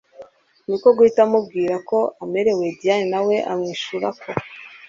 niko guhita amubwira ko amerewe Diane nawe amwishurako